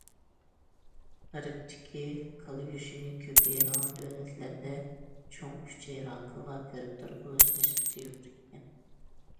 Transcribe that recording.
غەربتىكى كالا گۆشىنى كۆپ يەيدىغان دۆلەتلەردە چوڭ ئۈچەي راكىغا گىرىپتار بولۇش نىسبىتى يۇقىرى ئىكەن.